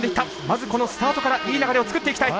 まず、このスタートからいい流れを作っていきたい。